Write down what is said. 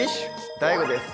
ＤＡＩＧＯです。